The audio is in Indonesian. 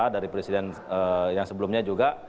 dari presiden yang sebelumnya juga